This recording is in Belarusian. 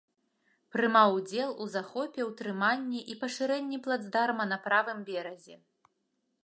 Прымаў удзел у захопе, ўтрыманні і пашырэнні плацдарма на правым беразе.